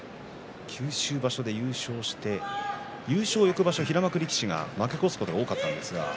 九州場所で優勝して優勝のあと平幕力士が負け越すことが多かったんです。